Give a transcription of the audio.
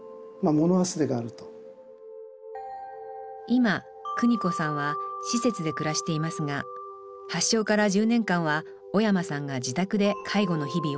今邦子さんは施設で暮らしていますが発症から１０年間は小山さんが自宅で介護の日々を送りました。